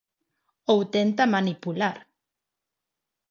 Ou tenta manipular.